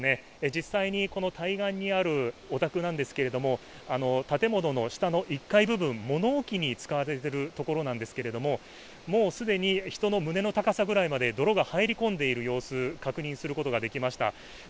実際にこの対岸にあるお宅なんでですが、建物の下の１階部分、物置に使われているところなんですけれどももう既に人の胸の高さくらいまで泥が入り込んでいる様子が確認できました。